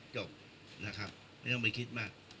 จบนะครับไม่ต้องไปคิดมาก